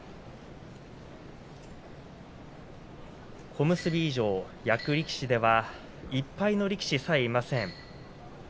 小結以上の役力士では１敗の力士さえいません。